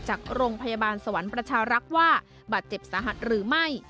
จากโรงพยาบาลสวรรค์ประชารักษ์ว่าบาดเจ็บสาหัสหรือไม่